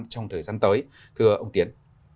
trong thời gian tới thưa ông tiến